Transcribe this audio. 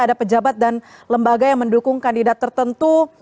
ada pejabat dan lembaga yang mendukung kandidat tertentu